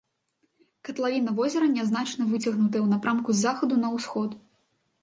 Катлавіна возера нязначна выцягнутая ў напрамку з захаду на ўсход.